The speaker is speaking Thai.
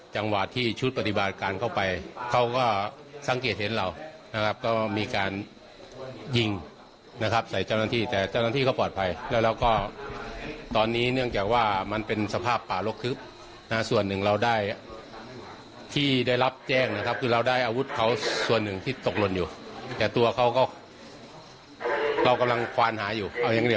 จังหวะที่ชุดปฏิบัติการเข้าไปเขาก็สังเกตเห็นเรานะครับก็มีการยิงนะครับใส่เจ้าหน้าที่แต่เจ้าหน้าที่เขาปลอดภัยแล้วแล้วก็ตอนนี้เนื่องจากว่ามันเป็นสภาพป่ารกทึบนะส่วนหนึ่งเราได้ที่ได้รับแจ้งนะครับคือเราได้อาวุธเขาส่วนหนึ่งที่ตกหล่นอยู่แต่ตัวเขาก็เรากำลังควานหาอยู่เอายัง